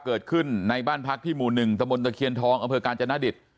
เกิดขึ้นในบ้านพักที่หมู่๑ตะบนตะเคียนทองอำเภอกาญจนดิต